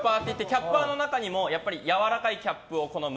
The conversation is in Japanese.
キャッパーといってやわらかいキャップを好む